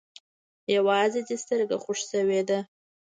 يوازې دې سترگه خوږ سوې ده.